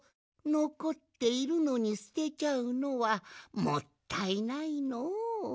のこっているのにすてちゃうのはもったいないのう。